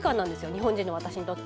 日本人の私にとっても。